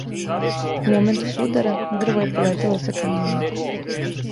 У моменту судара, дрво је полетело са камиона.